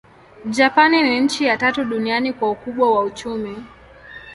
Japani ni nchi ya tatu duniani kwa ukubwa wa uchumi.